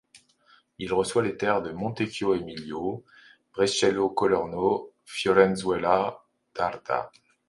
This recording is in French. Il reçoit les terres de Montecchio Emilia, Brescello Colorno, Fiorenzuola d'Arda.